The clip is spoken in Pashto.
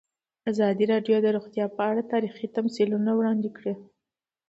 ازادي راډیو د روغتیا په اړه تاریخي تمثیلونه وړاندې کړي.